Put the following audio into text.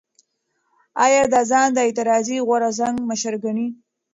ایا ده ځان د اعتراضي غورځنګ مشر ګڼي؟